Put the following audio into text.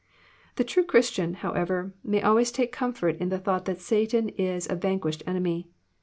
The true Christian, however, may always take comfort in the thought that Satan is a van quished enemy.